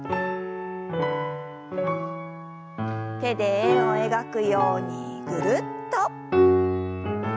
手で円を描くようにぐるっと。